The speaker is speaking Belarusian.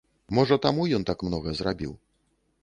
Можа таму ён так многа зрабіў.